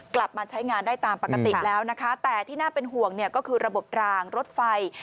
กลับมาใช้งานได้ตามปกติแล้วนะคะแต่ที่น่าเป็นห่วงเนี่ยก็คือระบบรางรถไฟ